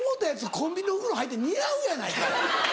コンビニの袋入って似合うやないかい。